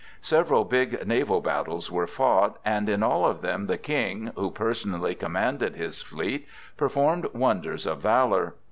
Several big naval battles were fought, and in all of them the King, who personally commanded his fleet, performed wonders of valor.